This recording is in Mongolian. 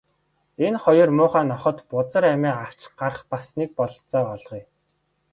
Энэ хоёр муухай нохойд бузар амиа авч гарах бас нэг бололцоо олгоё.